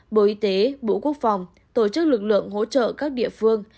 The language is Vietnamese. bộ y tế bộ quốc phòng tổ chức lực lượng hỗ trợ các địa phương